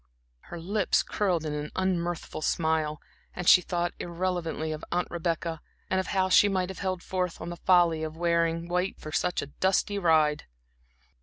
Her lips curled in an unmirthful smile, as she thought irrelevantly of Aunt Rebecca, and of how she might have held forth on the folly of wearing white for such a dusty ride.